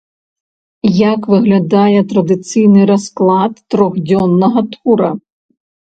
Як выглядае традыцыйны расклад трохдзённага тура?